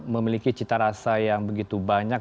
memiliki cita rasa yang begitu banyak